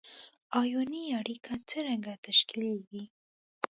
آیوني اړیکه څرنګه تشکیلیږي؟